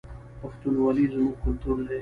پښتونولي زموږ کلتور دی